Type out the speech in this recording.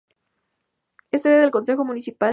Es sede del concejo municipal.